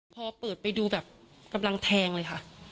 พอเปิดไปดูแบบกำลังแทงเลยค่ะ